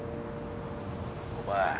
お前